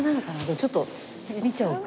ちょっと見ちゃおうか。